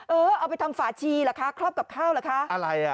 เออเอาไปทำฝาชีล่ะคะครอบกับข้าวล่ะคะอะไรอ่ะ